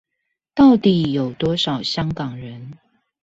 到底有多少香港人？